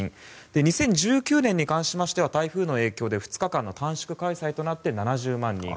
２０１９年に関しましては台風の影響で２日間の短縮開催となって７０万人。